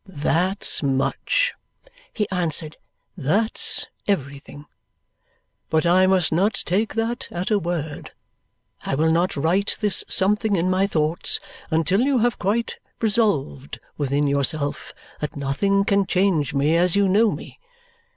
"That's much," he answered. "That's everything. But I must not take that at a word. I will not write this something in my thoughts until you have quite resolved within yourself that nothing can change me as you know me.